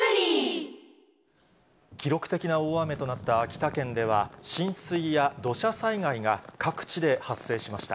記録的な大雨となった秋田県では、浸水や土砂災害が各地で発生しました。